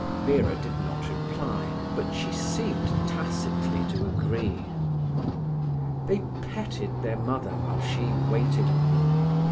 Vera did not reply, but she seemed tacitly to agree. They petted their mother, while she waited on them.